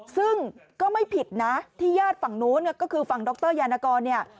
ซึ่งก็ไม่ผิดนะที่ญาติฝั่งนู้นก็คือฝั่งดรยานกรเนี่ย